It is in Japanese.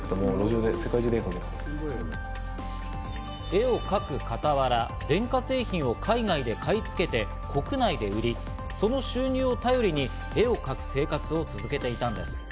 絵を描くかたわら、電化製品を海外で買い付けて国内で売り、その収入をたよりに、絵を描く生活を続けていたんです。